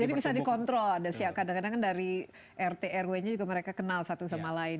jadi bisa dikontrol kadang kadang kan dari rt rw nya juga mereka kenal satu sama lain